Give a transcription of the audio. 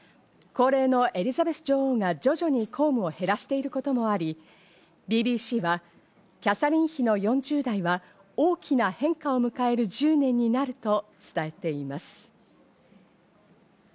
高齢のエリザベス女王が徐々に公務を減らしていることもあり、ＢＢＣはキャサリン妃の４０代は大きな変化をむかえる１０年になると伝えています。